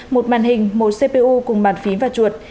một màn hình một cpu cùng bàn phím và chuột